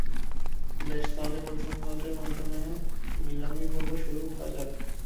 বেশ, তাহলে প্রথম লটের মাধ্যমে নিলামী পর্ব শুরু করা যাক।